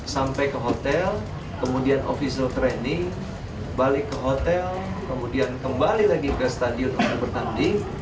sampai ke hotel kemudian official training balik ke hotel kemudian kembali lagi ke stadion untuk bertanding